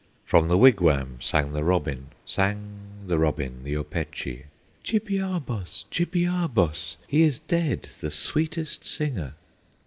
From the wigwam sang the robin, Sang the robin, the Opechee, "Chibiabos! Chibiabos! He is dead, the sweetest singer!"